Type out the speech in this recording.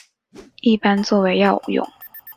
一般作为药用。